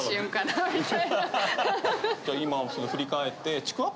じゃあ今振り返って。